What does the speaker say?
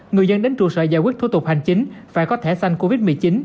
người dân đến trụ sở giải quyết thu tục hành chính phải có thẻ sanh covid một mươi chín